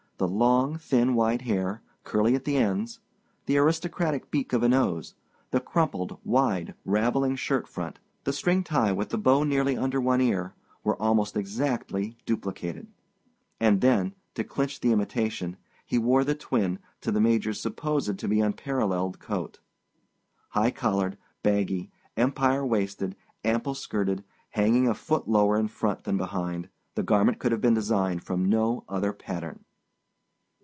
The long, thin white hair, curly at the ends, the aristocratic beak of a nose, the crumpled, wide, raveling shirt front, the string tie, with the bow nearly under one ear, were almost exactly duplicated. And then, to clinch the imitation, he wore the twin to the Major's supposed to be unparalleled coat. High collared, baggy, empire waisted, ample skirted, hanging a foot lower in front than behind, the garment could have been designed from no other pattern.